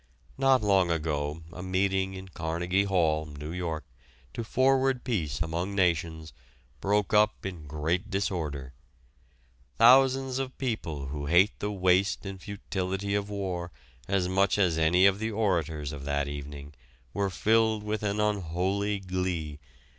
Not long ago a meeting in Carnegie Hall, New York, to forward peace among nations broke up in great disorder. Thousands of people who hate the waste and futility of war as much as any of the orators of that evening were filled with an unholy glee.